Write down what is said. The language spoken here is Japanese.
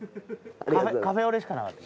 カフェオレしかなかった。